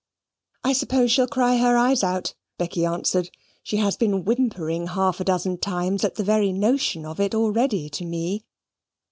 "I suppose she'll cry her eyes out," Becky answered. "She has been whimpering half a dozen times, at the very notion of it, already to me."